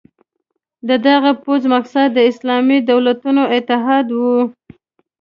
د دغه پوځ مقصد د اسلامي دولتونو اتحاد وو.